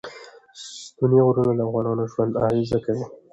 ستوني غرونه د افغانانو ژوند اغېزمن کوي.